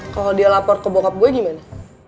kalau dia lapor ke bockup gue gimana